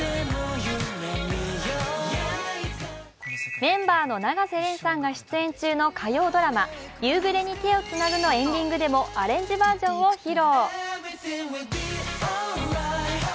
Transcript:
メンバーの永瀬廉さんが出演中の火曜ドラマ、「夕暮れに、手をつなぐ」のエンディングでもアレンジバージョンを披露。